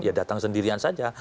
ya datang sendirian saja